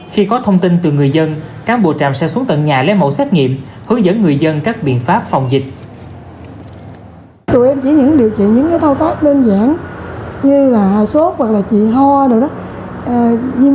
khi có thông tin từ người dân cám bộ trạm sẽ xuống tận nhà lấy mẫu xét nghiệm